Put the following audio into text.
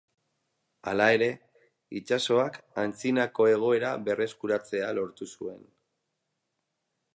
Hala ere, itsasoak antzinako egoera berreskuratzea lortu zuen.